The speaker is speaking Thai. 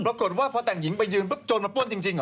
ปรากฏว่าพอแต่งหญิงไปยืนปุ๊บโจรมาป้วนจริงเหรอ